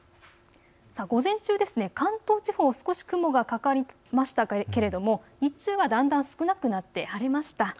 午前中ですが関東地方、少し雲がかかりましたけども日中はだんだん少なくなって晴れました。